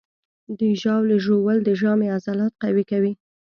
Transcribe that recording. د ژاولې ژوول د ژامې عضلات قوي کوي.